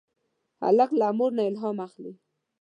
هلک له مور نه الهام اخلي.